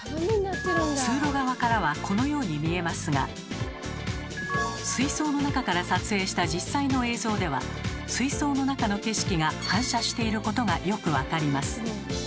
通路側からはこのように見えますが水槽の中から撮影した実際の映像では水槽の中の景色が反射していることがよく分かります。